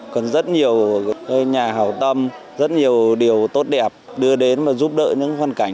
còn rất nhiều nhà hào tâm rất nhiều điều tốt đẹp đưa đến và giúp đỡ những hoàn cảnh